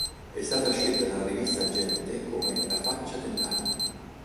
È stata scelta dalla rivista "Gente" come "La faccia dell'anno".